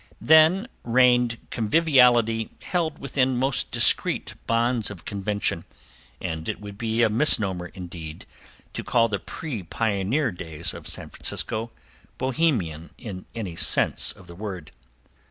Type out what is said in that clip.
Then reigned conviviality held within most discreet bounds of convention, and it would be a misnomer, indeed, to call the pre pioneer days of San Francisco "Bohemian" in any sense of the word.